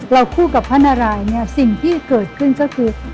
เราคู่กับพระนารายย์สิ่งที่เกิดขึ้นก็คือ